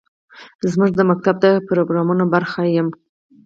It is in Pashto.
زه د ښوونځي د پروګرامونو برخه یم.